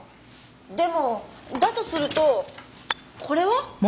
でもだとするとこれは？